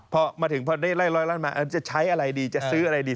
พอมาถึงพอได้ไล่ร้อยล้านมาจะใช้อะไรดีจะซื้ออะไรดี